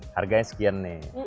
harganya sekian nih